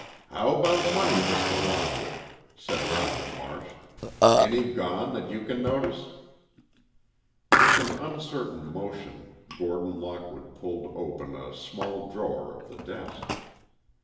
"How about money, Mr. Lockwood?" said Doctor Marsh. "Any gone, that you can notice?" With an uncertain motion, Gordon Lockwood pulled open a small drawer of the desk.